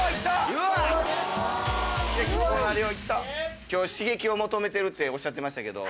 ・・うわ・今日刺激を求めてるっておっしゃってましたけど。